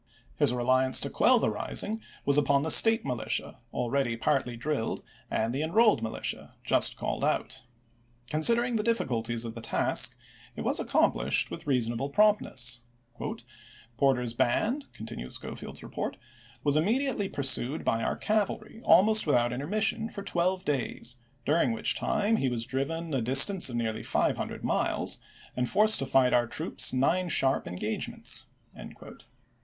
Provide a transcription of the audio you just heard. His reliance to quell the rising was upon the State Militia, already partly drilled, and the Enrolled Militia, just called out. Considering the difficulties of the task, it was ac complished with reasonable promptness. " Porter's band," continues Schofield's report, " was imme diately pursued by our cavalry, almost without in termission, for twelve days, during which time he was driven a distance of nearly five hundred miles and forced to fight our troops nine sharp engage Schofleld, Report, W. E. Vol. XIII., p. 12. MISSOURI GUERRILLAS AND POLITICS 379 ments."